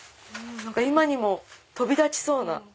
今にも飛び立ちそうな。